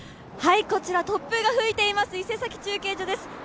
こちら、突風が吹いています伊勢崎中継所です。